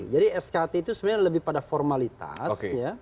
jadi skt itu sebenarnya lebih pada formalitas